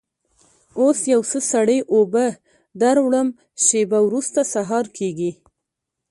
اوس یو څه سړې اوبه در وړم، شېبه وروسته سهار کېږي.